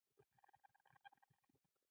مسئولینو د چهارشنبې په ورځ دا پېښه تائید کړه